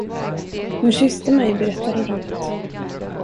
Hon kysste mig, berättade Rut.